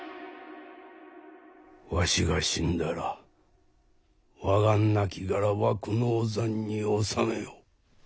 わしが死んだら我がなきがらは久能山に納めよ。